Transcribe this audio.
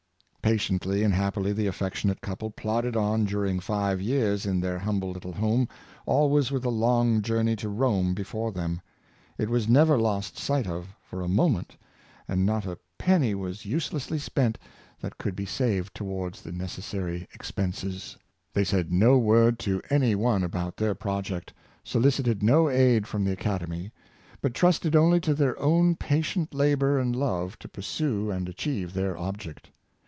Patiently and happily the affectionate couple plodded on during five years in their humble little home, always with the long journey to Rome before them. It was never lost sight of for a moment, and not a penny was 346 Flaxman at Rome. uselessly spent that could be saved towards the neces sary expenses. They said no word to any one about their project; solicited no aid from the Academy; but trusted only to their own patient labor and love to pur sue and achieve their object.